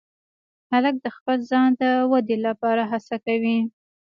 هلک د خپل ځان د ودې لپاره هڅه کوي.